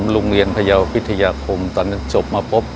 รุงเรียนพพิทยาคมตอนนั้นจบมาปุ๊บ